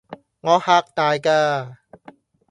我嚇大㗎